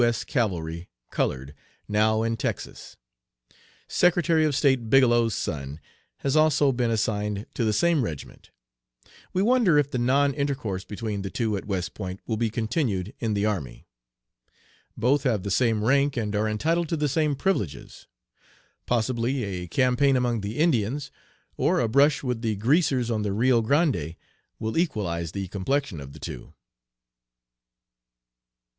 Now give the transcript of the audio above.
S. Cavalry (colored), now in Texas. Secretary of State Bigelow's son has also been assigned to the same regiment. We wonder if the non intercourse between the two at West Point will be continued in the army. Both have the same rank and are entitled to the same privileges. Possibly a campaign among the Indians, or a brush with the 'Greasers' on the Rio Grande, will equalize the complexion of the two."